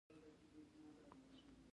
په داسې حال کې چې کار له وړاندې نه دی موجود